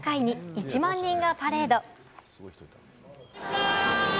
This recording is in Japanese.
１万人がパレード。